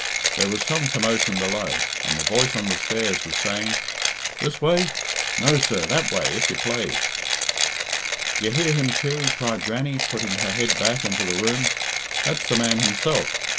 There was some commotion below, and the voice on the stairs was saying, "This way? No, sir. That way, if you plaze." "D'ye hear him, Kirry?" cried Grannie, putting her head back into the room. "That's the man himself.